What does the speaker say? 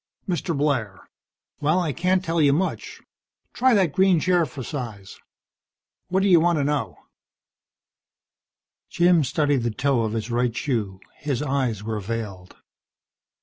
"Mr. Blair. Well, I can't tell you much. Try that green chair for size. What do you want to know?" Jim studied the toe of his right shoe. His eyes were veiled.